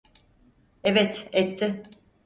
Evet, etti.